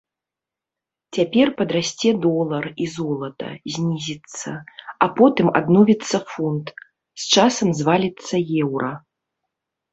Цяпер падрасце долар і золата, знізіцца, а потым адновіцца фунт, з часам зваліцца еўра.